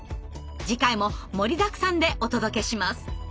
次回も盛りだくさんでお届けします。